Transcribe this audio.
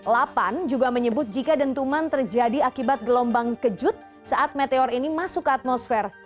lapan juga menyebut jika dentuman terjadi akibat gelombang kejut saat meteor ini masuk ke atmosfer